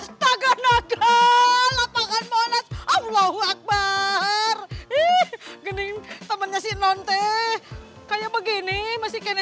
astaga naga lapangan monas allahu akbar gini temennya sih nonte kayak begini masih kena